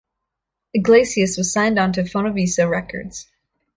Iglesias was signed on to Fonovisa Records.